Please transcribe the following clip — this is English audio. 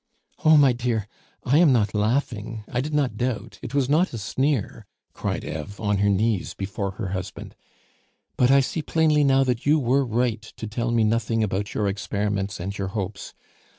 "Oh! my dear! I am not laughing! I did not doubt! It was not a sneer!" cried Eve, on her knees before her husband. "But I see plainly now that you were right to tell me nothing about your experiments and your hopes.